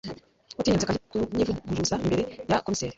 Watinyutse kabiri kunyivuguruza imbere ya komiseri.